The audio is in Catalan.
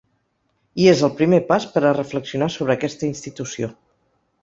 I és el primer pas per a reflexionar sobre aquesta institució.